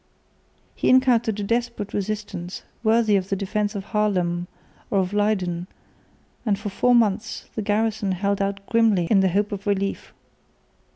He encountered a desperate resistance, worthy of the defence of Haarlem or of Leyden, and for four months the garrison held out grimly in the hope of relief.